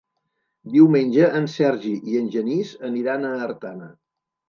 Diumenge en Sergi i en Genís aniran a Artana.